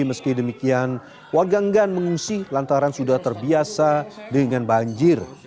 meski demikian warga enggan mengungsi lantaran sudah terbiasa dengan banjir